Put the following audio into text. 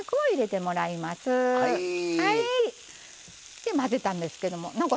で混ぜたんですけども南光さん